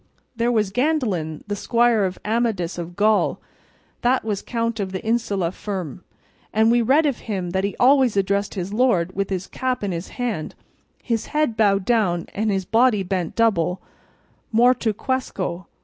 There was Gandalin, the squire of Amadis of Gaul, that was Count of the Insula Firme, and we read of him that he always addressed his lord with his cap in his hand, his head bowed down and his body bent double, more turquesco.